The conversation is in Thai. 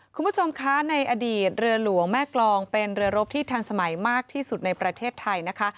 คุณผู้ชมคะในอดีตเรือหลวงแม่กรองเป็นเรือรบที่ทันสมัยมากที่สุดในประเทศไทยนะคะ